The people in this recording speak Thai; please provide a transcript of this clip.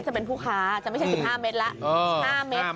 จะเป็นผู้ค้าจะไม่ใช่๑๕เมตรแล้ว๕เมตร